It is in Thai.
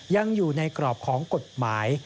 ยังอยู่ในกรอบของกฎหมาย